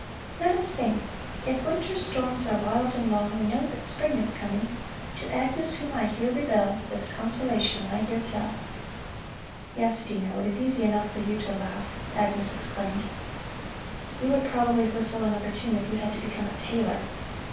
"Let us sing: If winter's storms are wild and long We know that spring is coming. To Agnes, whom I hear rebel, This consolation I here tell." "Yes, Dino, it is easy enough for you to laugh," Agnes exclaimed. "You would probably whistle another tune if you had to become a tailor.